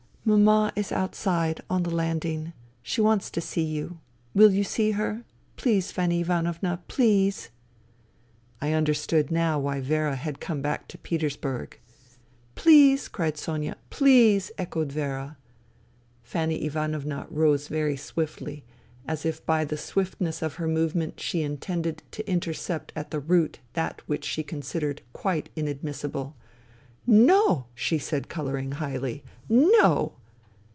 " Mama is outside — on the landing. She wants to see you. Will you see her ? Please, Fanny Ivanovna, please'' I understood now why Vera had come back to Petersburg. '' Please !" cried Sonia. " Please !" echoed Vera, THE THREE SISTERS 51 Fanny Ivanovna rose very swiftly, as if by the swiftness of her movement she intended to intercept at the root that which she considered quite in admissible. "No !" she said, colouring highly. "No